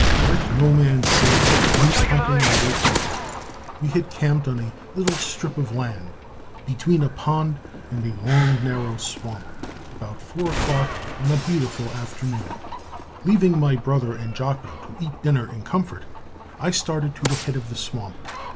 Let no man say that moose hunting is a picnic. We had camped on a little strip of land, between a pond and a long narrow swamp, about 4 o'clock on a beautiful afternoon. Leaving my brother and Jocko to eat dinner in comfort, I started to the head of the swamp.